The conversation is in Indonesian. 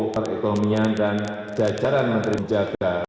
perekonomian dan jajaran menteri menjaga